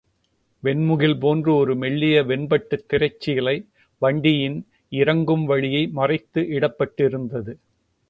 வெண் முகில் போன்று ஒரு மெல்லிய வெண்பட்டுத் திரைச் சீலை வண்டியின் இறங்கும் வழியை மறைத்து இடப்பட்டிருந்தது.